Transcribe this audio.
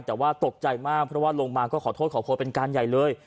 แต่ว่าตกใจมากเพราะว่าลงมาก็ขอโทษขอโพยเป็นการใหญ่เลย